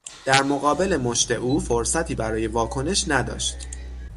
در مقابل مشت او فرصتی برای واکنش نداشت